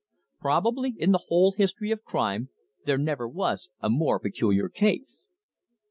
Probably in the whole history of crime there never was a more peculiar case.